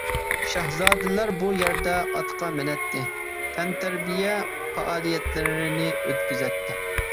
شاھزادىلەر بۇ يەردە ئاتقا مىنەتتى، تەنتەربىيە پائالىيەتلىرىنى ئۆتكۈزەتتى.